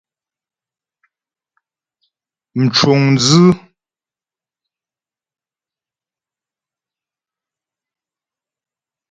Mcuŋdzʉ́.